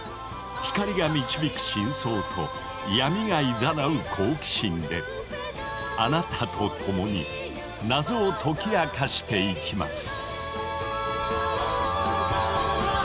光が導く真相と闇が誘う好奇心であなたと共に謎を解き明かしていきます。